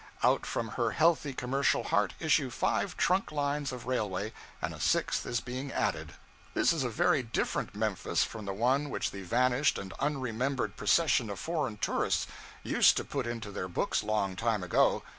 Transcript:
Out from her healthy commercial heart issue five trunk lines of railway; and a sixth is being added. This is a very different Memphis from the one which the vanished and unremembered procession of foreign tourists used to put into their books long time ago.